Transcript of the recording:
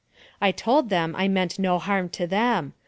I told them I meant no harm to them.